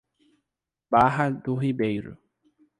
Barra do Ribeiro